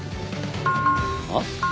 あっ。